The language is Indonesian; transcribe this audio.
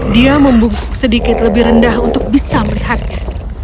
dia membungkuk sedikit lebih rendah untuk bisa melihatnya